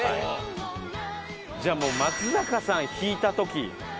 じゃあもう松坂さん引いた時。